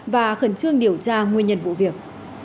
và khẩn trương điều tra nguyên nhân vụ việc